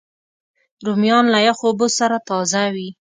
رومیان له یخو اوبو سره تازه وي